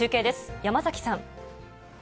山崎さん。